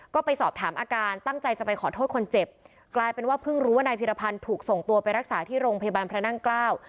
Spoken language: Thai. ก็ไปสอบถามอาการตั้งใจจะไปขอโทษคนเจ็บกลายเป็นว่าเพิ่งรู้ว่านายพิรพันธ์ถูกส่งตัวไปรักษาที่โรงพยาบาลพระนั่งเกล้า